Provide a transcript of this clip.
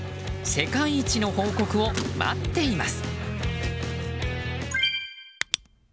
世界一の報告を待っています！